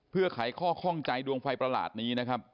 เพื่อไขข้อข้องใจดวงไฟประหลาดนี้นะครับ